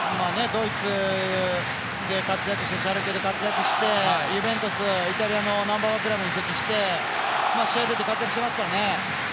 ドイツで活躍してシャルケで活躍してユベントス、イタリアのナンバーワンクラブに移籍して試合に出て活躍していますから。